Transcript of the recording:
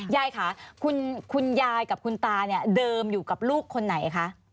ยายค่ะคุณยายกับคุณตาเนี่ยเดิมอยู่กับลูกคนไหนคะ